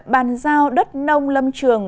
bàn giao đất nông lâm trường